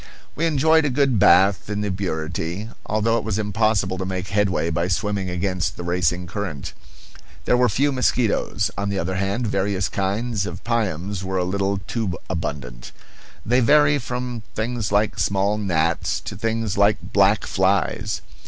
We enjoyed a good bath in the Burity, although it was impossible to make headway by swimming against the racing current. There were few mosquitoes. On the other hand, various kinds of piums were a little too abundant; they vary from things like small gnats to things like black flies.